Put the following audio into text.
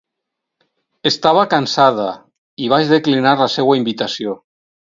Estava cansada i vaig declinar la seua invitació.